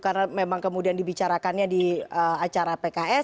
karena memang kemudian dibicarakannya di acara pks